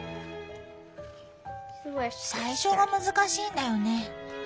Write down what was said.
最初が難しいんだよね。